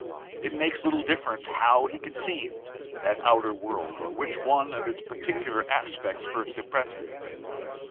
It makes little difference how he conceived that outer world or which one of its particular aspects first impressed him.